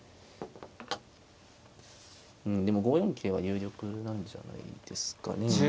うんでも５四桂は有力なんじゃないですかね。